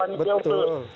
hanya kebutuhan pani deutus